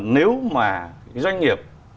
nếu mà doanh nghiệp